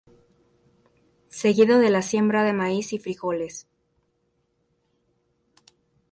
Seguido de la siembra de maíz y frijoles.